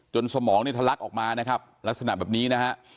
สมองเนี่ยทะลักออกมานะครับลักษณะแบบนี้นะฮะ